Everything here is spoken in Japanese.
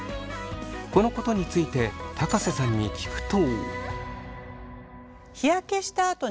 このことについて瀬さんに聞くと。